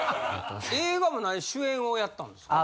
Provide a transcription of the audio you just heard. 映画もなに主演をやったんですか？